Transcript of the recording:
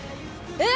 えっ？